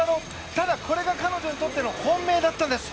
ただ、これが彼女にとっての本命だったんです。